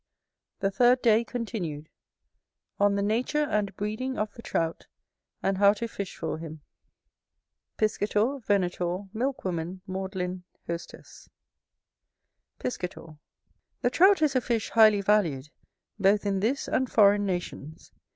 The third day continued On the Nature and Breeding of the Trout, and how to fish for him Chapter IV Piscator, Venator, Milk woman, Maudlin, Hostess Piscator. The Trout is a fish highly valued, both in this and foreign nations.